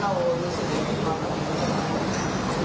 ก็มี